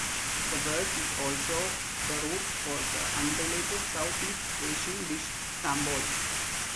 This word is also the root for the unrelated South East Asian dish sambol.